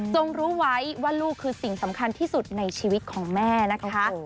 รู้ไว้ว่าลูกคือสิ่งสำคัญที่สุดในชีวิตของแม่นะคะ